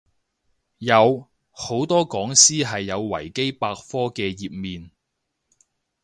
有，好多講師係有維基百科嘅頁面